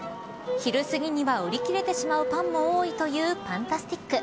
昼すぎには売り切れてしまうパンも多いというパンタスティック。